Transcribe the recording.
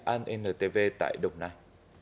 anntv tại đồng nai